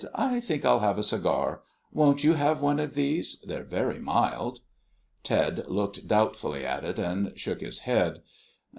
"I think I'll have a cigar. Won't you have one of these? They're very mild." Ted looked doubtfully at it, and shook his head.